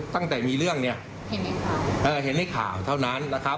ตั้งแต่มีเรื่องเนี่ยเห็นให้ข่าวเห็นให้ข่าวเท่านั้นแหละครับ